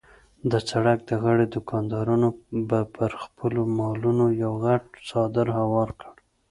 د سړک د غاړې دوکاندارانو به پر خپلو مالونو یو غټ څادر هوار کړ.